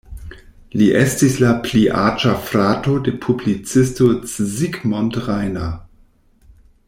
Li estis la pli aĝa frato de publicisto Zsigmond Reiner.